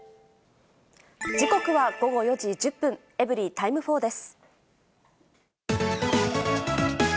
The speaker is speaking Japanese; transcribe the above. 時刻は午後４時１０分、エブリィタイム４です。